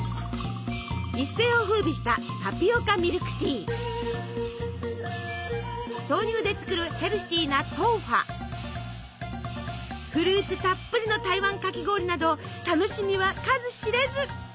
一世をふうびした豆乳で作るヘルシーなフルーツたっぷりの台湾かき氷など楽しみは数知れず。